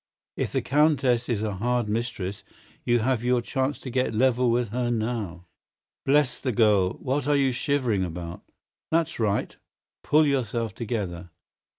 If the Countess is a hard mistress you have your chance to get level with her now. Bless the girl, what are you shivering about? That's right! Pull yourself together!